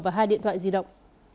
và hai điện thoại di động